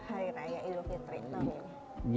hari raya idul fitri tahun ini